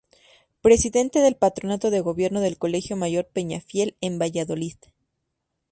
Presidente del Patronato de Gobierno del Colegio Mayor Peñafiel en Valladolid.